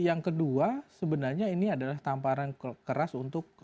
yang kedua sebenarnya ini adalah tamparan keras untuk